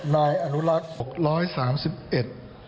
๖๙๗นายอนุรักษ์